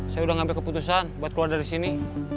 saya sudah ngambil keputusan buat keluar dari sini